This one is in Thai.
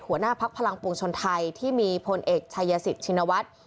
หัวหน้าภักดิ์ผลังปวงชนไทยที่มีพนตร์เอกใช่ยสิทธิ์ชินวัตร